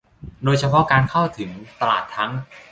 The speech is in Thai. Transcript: โดยเฉพาะการเข้าถึงตลาดทั้ง